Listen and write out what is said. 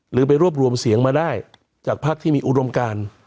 หรือไปรวบรวมเสียงมาได้จากพักที่มีอุดมการ